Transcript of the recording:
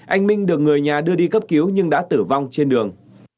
anh minh được người nhà đưa đi cấp cứu nhưng đã tử vong trên đường